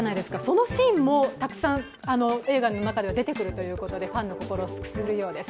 そのシーンもたくさん映画の中では出てくるということで、ファンの心をくすぐるようです。